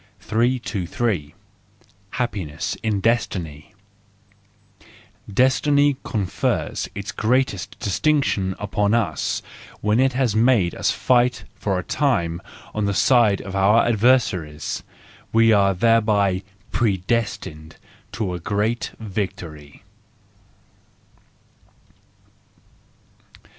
323 * Happiness in Destiny .—Destiny confers its great¬ est distinction upon us when it has made us fight 250 THE JOYFUL WISDOM, IV for a time on the side of our adversaries. We are thereby predestined to a great victory.